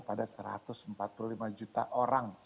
pada satu ratus empat puluh lima juta orang